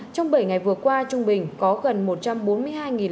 trong bảy ngày vừa qua trung bình có gần một trăm bốn mươi hai lượt quét một ngày